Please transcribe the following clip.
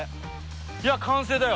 いや完成だよ。